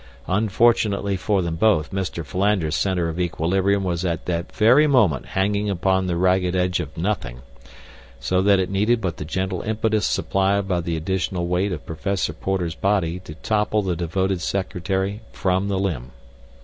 Unfortunately for them both, Mr. Philander's center of equilibrium was at that very moment hanging upon the ragged edge of nothing, so that it needed but the gentle impetus supplied by the additional weight of Professor Porter's body to topple the devoted secretary from the limb.